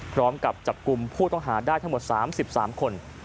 พร้อมกับจับกลุ่มผู้ต้องหาได้ทั้งหมด๓๓คน